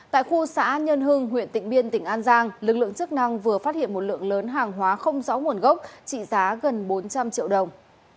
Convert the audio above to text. tại khu xã nhân hưng huyện tịnh biên tỉnh an giang lực lượng chức năng vừa phát hiện một lượng lớn hàng hóa không rõ nguồn gốc trị giá gần bốn trăm linh triệu đồng